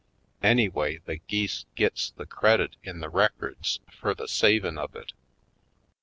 Anyway, the geese gits the credit in the records fur the savin' of it.